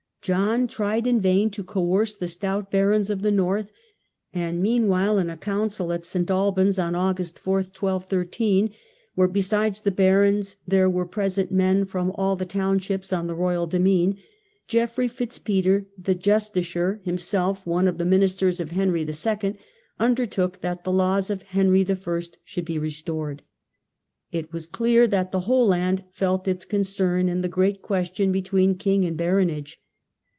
John tried in vain to coerce the stout barons of the North, and mean while in a council at S. Albans on August 4, 12 13, where, besides the barons, there were present men from all the townships on the royal demesne, Geoffrey The demands Fitz Peter, the justiciar, himself one of the °^« barons, ministers of Henry II., undertook that the laws of Henry I. should be restored. It was clear that the whole land felt its concern in the great question between king and baronage.